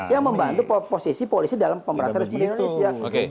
yang membantu posisi polisi dalam pemerintahan tni itu